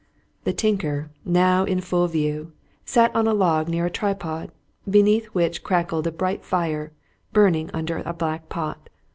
The tinker, now in full view, sat on a log near a tripod, beneath which crackled a bright fire, burning under a black pot.